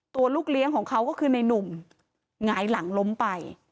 ตัวลูกเลี้ยงของเขาก็คือในนุ่มหงายหลังล้มไป